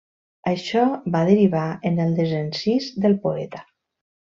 Això va derivar en el desencís del poeta.